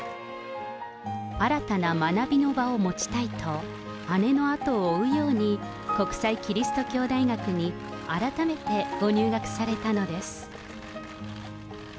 新たな学びの場を持ちたいと、姉の後を追うように国際基督教大学に改めてご入学されたのです。